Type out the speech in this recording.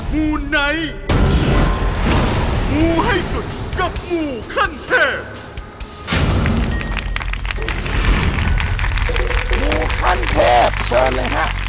มูขั้นแพบเชิญเลยนะ